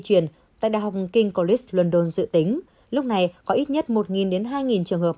truyền tại đại học king colux london dự tính lúc này có ít nhất một đến hai trường hợp